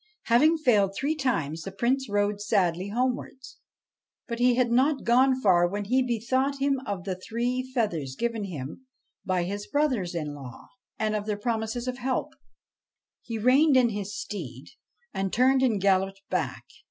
Having failed three times, the Prince rode sadly homewards. But he had not gone far when he bethought him of the three feathers given him by his brothers in law, and of their promises of help. He reined in his steed, and turned and galloped back.